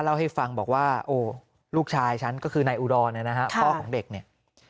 เล่าให้ฟังบอกว่าโอ้ลูกชายฉันก็คือนายอุดรนะฮะพ่อของเด็กเนี่ย